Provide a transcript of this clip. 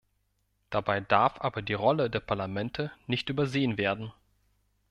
Dabei darf aber die Rolle der Parlamente nicht übersehen werden.